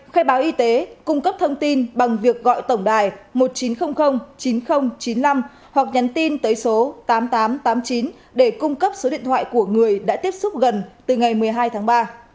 khai báo y tế cung cấp thông tin bằng việc gọi tổng đài một nghìn chín trăm linh chín nghìn chín mươi năm hoặc nhắn tin tới số tám nghìn tám trăm tám mươi chín để cung cấp số điện thoại của người đã tiếp xúc gần từ ngày một mươi hai tháng ba